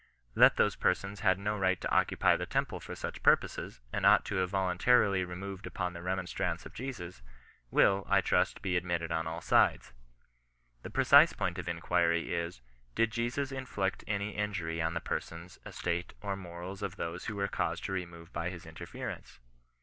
That those persons had no right to occupy the temple for such purposes, and ought to have voluntarily removed upon the remonstrance of Jesus, will, I trust, be admitted on all sides. The pre cise point of inquiry is, did Jesus inflict any injury on the persons, estate, or morals of those who were caused to re move by his interference